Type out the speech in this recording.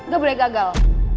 gak boleh gagal